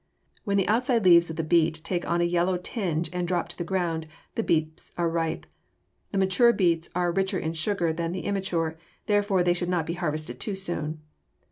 When the outside leaves of the beet take on a yellow tinge and drop to the ground, the beets are ripe. The mature beets are richer in sugar than the immature, therefore they should not be harvested too soon.